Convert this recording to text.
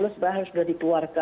sebenarnya sudah dituarkan